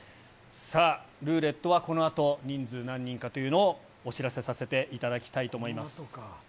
さあ、ルーレットはこのあと、人数何人かというのを、お知らせさせていただきたいと思います。